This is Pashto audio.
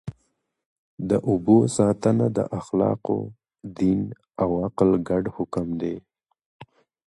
د اوبو ساتنه د اخلاقو، دین او عقل ګډ حکم دی.